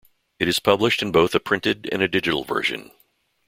It is published in both a printed and a digital version.